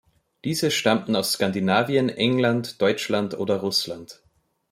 Diese stammten aus Skandinavien, England, Deutschland oder Russland.